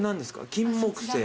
キンモクセイ。